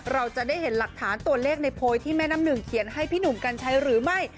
เราจะได้เห็นหลักฐานตัวเลขในโพยที่แม่น้ำหนึ่งเขียนให้พี่หนุ่มกัญชัยหรือไม่